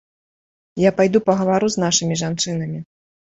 Я пайду пагавару з нашымі жанчынамі.